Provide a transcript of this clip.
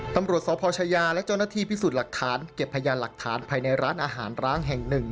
ตำรวจสพชายาและเจ้าหน้าที่พิสูจน์หลักฐานเก็บพยานหลักฐานภายในร้านอาหารร้างแห่งหนึ่ง